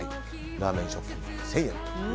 ラーメン食券が１０００円で。